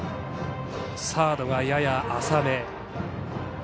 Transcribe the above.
サードがやや浅め。